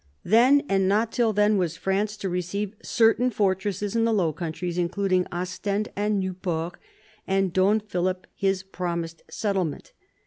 Then, and not till then, was France to receive certain fortresses in the Low Countries, including Ostend and Nieuport, and Don Philip his promised settlement.